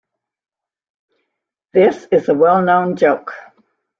This is a well known joke.